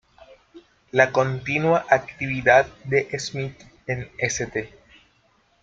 La continua actividad de Smith en St.